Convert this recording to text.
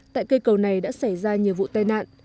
tại cây cầu này đã xảy ra nhiều vụ tai nạn